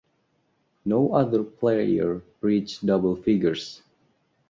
No other player reached double figures.